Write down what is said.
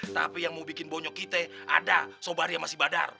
tapi yang mau bikin bonyok kita ada sobari yang masih badar